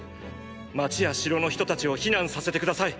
街や城の人たちを避難させて下さい。